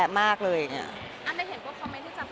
เนื้อหาดีกว่าน่ะเนื้อหาดีกว่าน่ะ